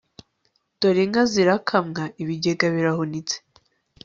dore inka zirakamwa ibigega birahunitse